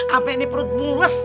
sampai ini perut mulus